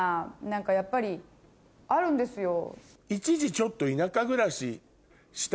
何かやっぱりあるんですよ。